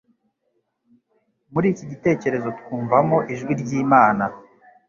Muri iki gitekerezo twumvamo ijwi ry’Imana